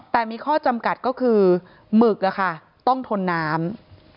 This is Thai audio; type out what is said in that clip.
แต่มีข้อจำกัดก็คือหมึกต้องทนน้ำ